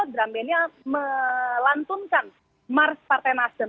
drum bandnya melantunkan mars partai nasdem